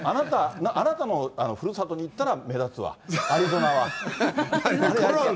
あなたのふるさとに行ったら目立つわ、アリゾナは。